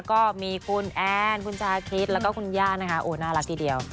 ก็มีคุณแอนคุณชาคริสแล้วก็คุณย่านะคะโอ้น่ารักทีเดียว